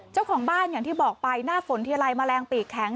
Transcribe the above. เจ้าของบ้านอย่างที่บอกไปหน้าฝนทีไรแมลงปีกแข็ง